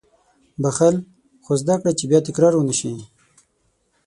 • بښل، خو زده کړه چې بیا تکرار ونه شي.